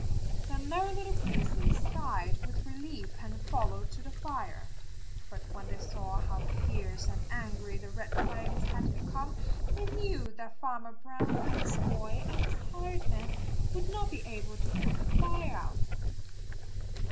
The Merry Little Breezes sighed with relief and followed to the fire. But when they saw how fierce and angry the red flames had become they knew that Farmer Brown and his boy and his hired man would not be able to put the fire out.